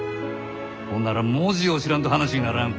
ほんなら文字を知らんと話にならん。